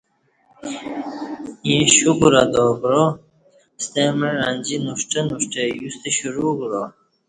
ییں شکر ادا کعا ستمع انجی نُوݜٹہ نُوݜٹہ یوستہ شروع کعا